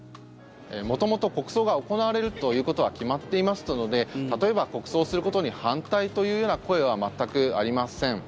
元々、国葬が行われるということは決まっていましたので例えば、国葬することに反対というような声は全くありません。